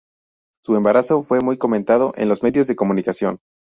Su embarazo fue muy comentado en los medios de comunicación.